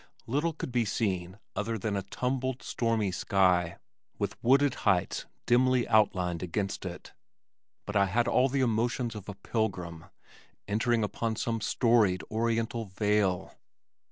Little could be seen other than a tumbled, stormy sky with wooded heights dimly outlined against it, but I had all the emotions of a pilgrim entering upon some storied oriental vale.